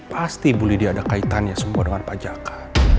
pasti bulidia ada kaitannya semua dengan pajaka